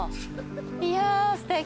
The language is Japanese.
いやすてき。